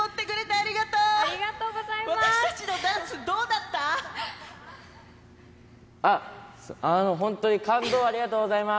ありがとうございます。